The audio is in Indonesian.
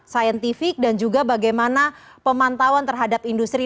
saintifik dan juga bagaimana pemantauan terhadap industri